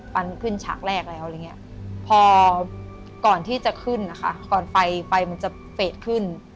ปั้นขึ้นฉากแรกแล้วพอก่อนที่จะขึ้นก่อนไฟมันจะเฟสขึ้น